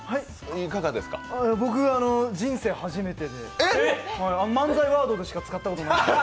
僕は人生初めてで、漫才ワードでしか使ったことない。